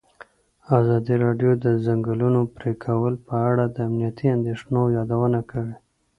ازادي راډیو د د ځنګلونو پرېکول په اړه د امنیتي اندېښنو یادونه کړې.